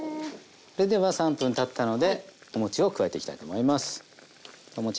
それでは３分たったのでお餅を加えていきたいと思います。